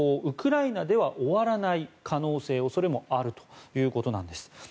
ウクライナでは終わらない可能性恐れもあるということなんです。